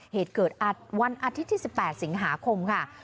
เหตุเกิดวันอาทิตย์ที่๑๘สิงหาคมค่ะ